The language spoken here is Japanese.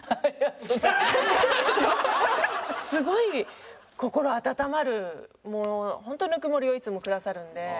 すごい心温まるホントぬくもりをいつもくださるんで。